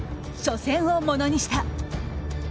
初戦をものにした。